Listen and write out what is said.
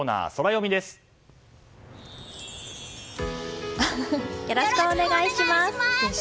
よろしくお願いします！